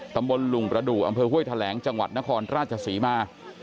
ตำบลลุงประดูกอำเภอห้วยแถลงจังหวัดนครราชศรีมา